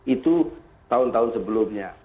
itu tahun tahun sebelumnya